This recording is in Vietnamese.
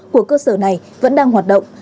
của cơ sở này vẫn đang hoạt động